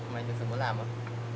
mà anh có muốn làm không